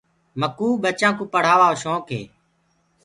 مڪوُ ٻچآنٚ ڪوُ ڦرهآووآ ڪو شونڪ هي۔